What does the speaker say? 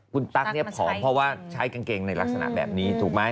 คุณตั๊กเนี่ยผอมเพราะว่าใช้กางเกงในลักษณะแบบนี้ถูกไหม